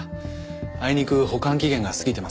あいにく保管期限が過ぎてますね。